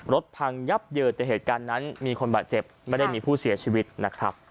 พังยับเยินแต่เหตุการณ์นั้นมีคนบาดเจ็บไม่ได้มีผู้เสียชีวิตนะครับ